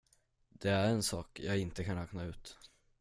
Det är en sak jag inte kan räkna ut.